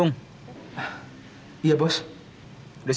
tunggu sebentar berusaha deh